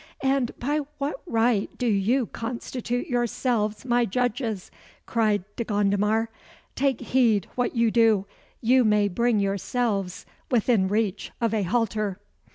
"And by what right do you constitute yourselves my judges?" cried De Gondomar. "Take heed what you do you may bring yourselves within reach of a halter."